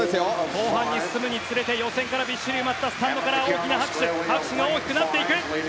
後半に進むにつれてびっしりと埋まったスタンドから拍手が大きくなっていく。